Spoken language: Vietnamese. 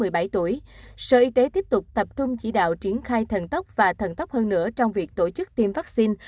bộ y tế tiếp tục tập trung chỉ đạo triển khai thần tốc và thần tốc hơn nữa trong việc tổ chức tiêm vaccine